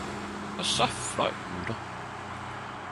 og så fløj mutter.